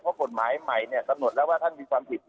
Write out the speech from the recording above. เพราะกฎหมายใหม่เนี่ยกำหนดแล้วว่าท่านมีความผิด